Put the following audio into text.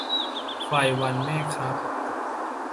ไฟวันแม่ครับ